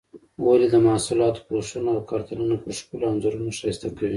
ولې د محصولاتو پوښونه او کارتنونه په ښکلو انځورونو ښایسته کوي؟